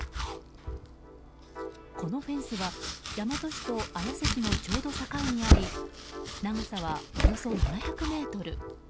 このフェンスは、大和市と綾瀬市のちょうど境にあり長さは、およそ７００ｍ。